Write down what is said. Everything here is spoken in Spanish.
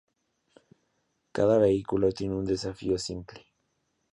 Cada vehículo tiene un desafío simple.